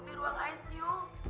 di ruang icu